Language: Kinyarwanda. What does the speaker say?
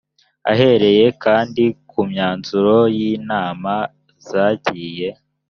ahereye kandi ku myanzuro y inama zagiye